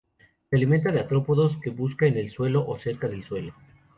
Se alimenta de artrópodos que busca en el suelo o cerca del suelo.